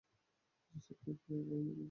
Joseph Paquette এবং Emile Duval.